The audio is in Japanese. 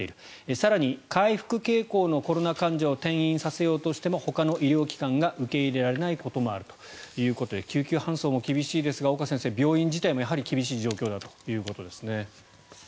更に回復傾向のコロナ患者を転院させようとしてもほかの医療機関が受け入れられないこともあるということで救急搬送も厳しいですが岡先生、病院自体も厳しい状況だということですね。